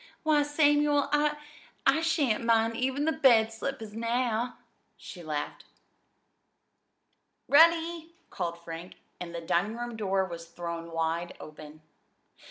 Why, Samuel, I I shan't mind even the bed slippers now," she laughed. "Ready!" called Frank, and the dining room door was thrown wide open.